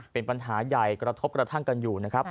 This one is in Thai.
เป็นปัญหาใหญ่กระทบกระทั่งกันอยู่นะครับ